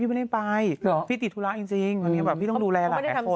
พี่ไม่ได้ไปพี่ติดธุระจริงพี่ต้องดูแลหลายหลายคน